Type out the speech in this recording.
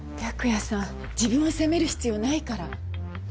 白夜さん自分を責める必要ないから。